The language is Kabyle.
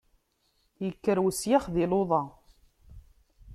Ikker usyax di luḍa.